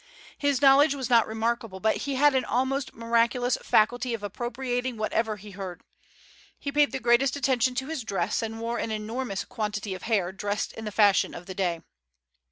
His knowledge was not remarkable, but he had an almost miraculous faculty of appropriating whatever he heard. He paid the greatest attention to his dress, and wore an enormous quantity of hair dressed in the fashion of the day.